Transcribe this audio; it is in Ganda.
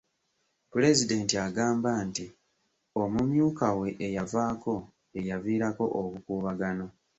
Pulezidenti agamba nti omumyuka we eyavaako ye yaviirako obukuubagano.